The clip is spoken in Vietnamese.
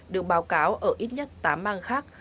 được báo cáo ở ít nhất tám bang khác